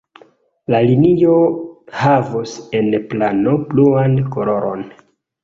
La linio havos en plano bluan koloron.